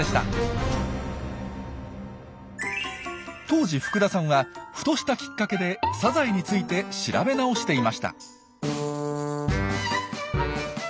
当時福田さんはふとしたきっかけでサザエについて調べ直していました。